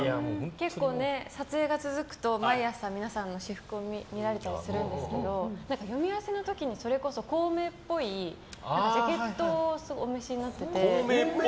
撮影が続くと毎朝皆さんの私服を見られたりするんですけど読み合わせの時に孔明っぽいジャケットをお召しになってて。